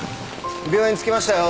病院着きましたよ。